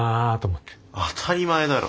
当たり前だろ！